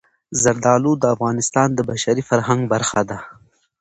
زردالو د افغانستان د بشري فرهنګ برخه ده.